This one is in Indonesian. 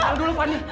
tenang dulu fani